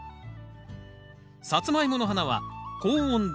サツマイモの花は高温で短日